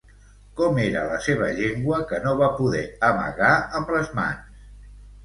Com era la seva llengua que no va poder amagar amb les mans?